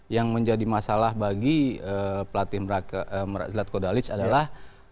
yang menjadi masalah bagi pelatih zat kodalic adalah